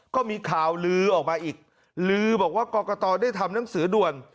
ก็มีข่าวลือออกมาอีกลือบอกว่ากรกตได้ทำหนังสือด่วน